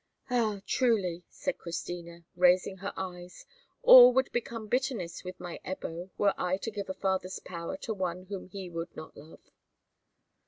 "Ah, truly," said Christina, raising her eyes "all would become bitterness with my Ebbo were I to give a father's power to one whom he would not love."